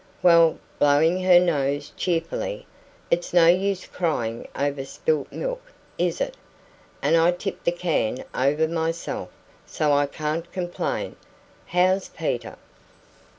Well" blowing her nose cheerfully "it's no use crying over spilt milk, is it? And I tipped the can over myself, so I can't complain. How's Peter?"